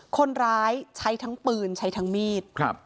คนร้ายใช้ทั้งปืนใช้ทั้งมีด